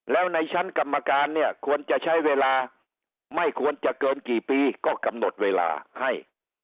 แล้วในชั้นกรรมการเนี่ยควรจะใช้เวลาไม่ควรจะเกินกี่ปีก็กำหนดเวลาให้